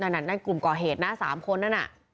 นั่นกลุ่มก่อเหตุนะ๓คนนั่นน่ะ